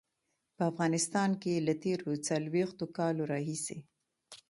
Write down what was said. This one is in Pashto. په افغانستان کې له تېرو څلويښتو کالو راهيسې.